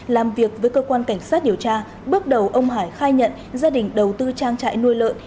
làm việc với cơ quan cảnh sát điều tra bước đầu ông hải khai nhận gia đình đầu tư trang trại nuôi lợn